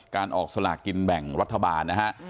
ออกสลากกินแบ่งรัฐบาลนะฮะ